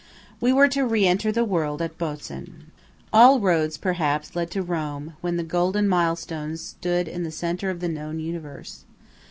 We were to re enter the world at Botzen. All roads, perhaps, led to Rome, when the Golden Milestone stood in the centre of the known universe.